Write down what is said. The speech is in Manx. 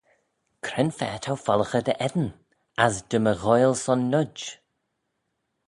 Cre'n-fa t'ou follaghey dty eddin, as dy m'y ghoaill son noid?